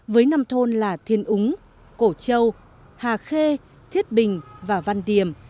với năm thôn là thiên úng cổ châu hà khê thiết bình và văn điểm